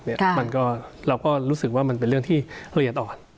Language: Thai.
เราก็รู้สึกว่ามันเป็นเรื่องที่เราเรียนต่อ